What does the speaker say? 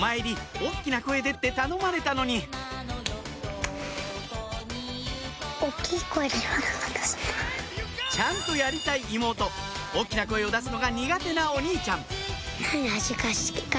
大っきな声でって頼まれたのにちゃんとやりたい妹大っきな声を出すのが苦手なお兄ちゃん